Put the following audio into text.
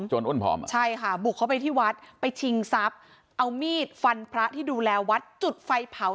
ใช่ค่ะบุกเขาไปที่วัดไปชิงซับเอามีดฟันพระที่ดูแลวัดจุดไฟเผา